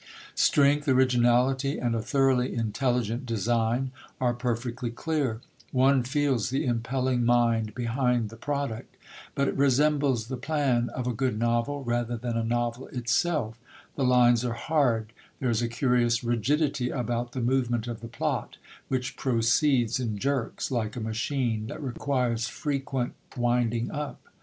Strength, originality, and a thoroughly intelligent design are perfectly clear; one feels the impelling mind behind the product. But it resembles the plan of a good novel rather than a novel itself. The lines are hard; there is a curious rigidity about the movement of the plot which proceeds in jerks, like a machine that requires frequent winding up.